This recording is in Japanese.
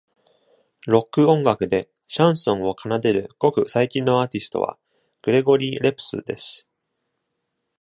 ロック音楽でシャンソンを奏でるごく最近のアーティストはグリゴリー・レプスです。